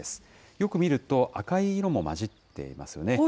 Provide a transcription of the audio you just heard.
よく見ると、赤い色も混じっていますよね。